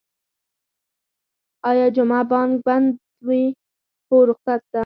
ایا جمعه بانک بند وی؟ هو، رخصت ده